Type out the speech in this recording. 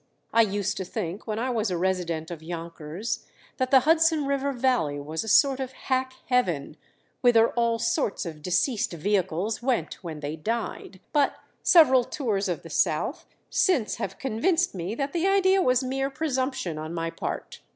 I used to think when I was a resident of Yonkers that the Hudson River Valley was a sort of hack heaven, whither all sorts of deceased vehicles went when they died; but several tours of the South since have convinced me that that idea was mere presumption on my part.